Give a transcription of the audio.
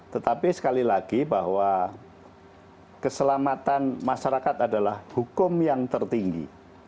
tetapi sekali lagi bahwa keselamatan masyarakat adalah hukum yang tertinggi